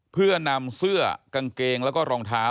เพื่อนำเสื้อกางเกงแล้วก็รองเท้า